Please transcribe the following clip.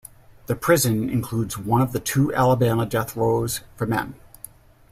The prison includes one of the two Alabama death rows for men.